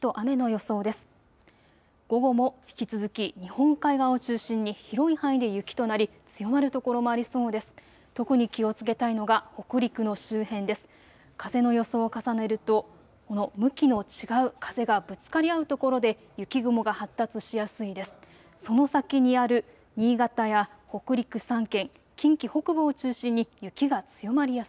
風の予想を重ねるとこの向きの違う風がぶつかり合うところで雪雲が発達しやすいです。